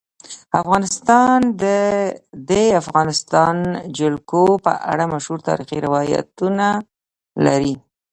افغانستان د د افغانستان جلکو په اړه مشهور تاریخی روایتونه لري.